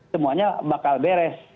semuanya bakal beres